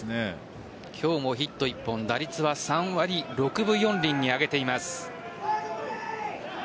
今日もヒット１本打率は３割６分４厘に上げています。